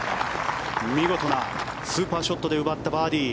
見事なスーパーショットで奪ったバーディー。